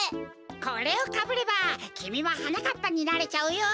これをかぶればきみもはなかっぱになれちゃうよ！